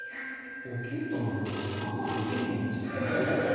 おきゅうとの話まあまあできるもんですね。